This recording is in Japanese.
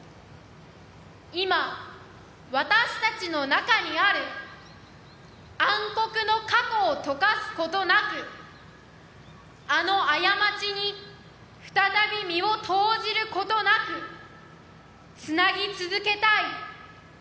今、私たちの中にある暗黒の過去を溶かすことなくあの過ちに再び身を投じることなく繋ぎ続けたい